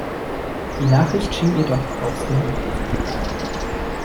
Die Nachricht schien ihr doch aufs Gemüt zu schlagen.